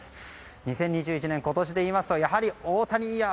２０２１年、今年で言いますとやはり、大谷イヤー。